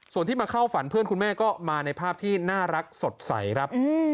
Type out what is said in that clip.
ส่วนที่มาเข้าฝันเพื่อนคุณแม่ก็มาในภาพที่น่ารักสดใสครับ